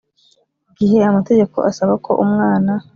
gihe amategeko asaba ko umwana